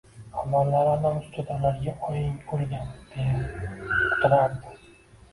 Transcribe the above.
Avvallari alam ustida ularga oying o`lgan, deya uqtirardi